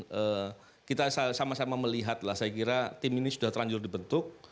dan kita sama sama melihatlah saya kira tim ini sudah terlanjur dibentuk